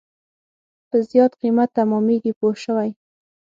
په زیات قیمت تمامېږي پوه شوې!.